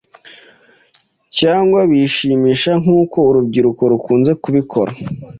Cyangwa bishimisha nkuko urubyiruko rukunze kubikora.